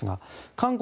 韓国